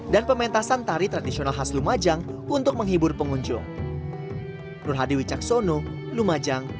dan pementasan tari tradisional khas lumajang untuk menghibur pengunjung nurhadi wicaksono lumajang